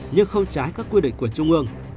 nhưng không trái các quy định của trung ương